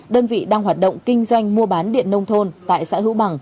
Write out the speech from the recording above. đơn vị đang hoạt động kinh doanh mua bán điện nông thôn tại xã hữu bằng